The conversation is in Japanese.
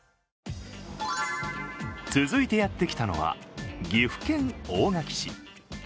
続いてやってきたのは、岐阜県大垣市。